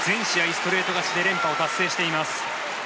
ストレート勝ちで連覇を達成しています。